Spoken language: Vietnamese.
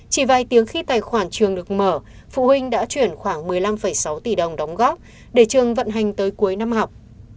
chỉ vài tiếng khi tài khoản trường được mở phụ huynh đã chuyển khoảng một mươi năm sáu tỷ đồng đóng góp để trường vận hành tới cuối năm học